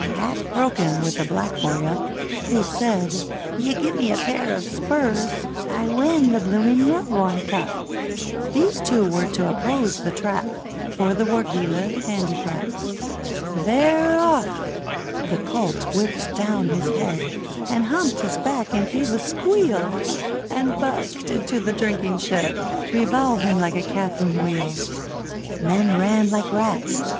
Half broken, with a black boy up, Who said, 'You gim'me pair o' spurs, I win the bloomin' Melbourne Cup!' These two were to oppose The Trap For the Wargeilah Handicap! They're off! The colt whipped down his head, And humped his back and gave a squeal, And bucked into the drinking shed, Revolving like a Cath'rine wheel! Men ran like rats!